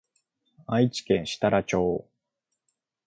愛知県設楽町